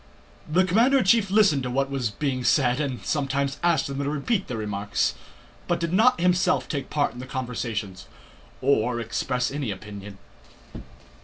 The commander in chief listened to what was being said and sometimes asked them to repeat their remarks, but did not himself take part in the conversations or express any opinion.